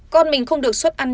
con mình không được suất ăn